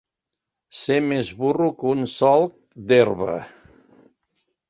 Ser més burro que un solc d'herba.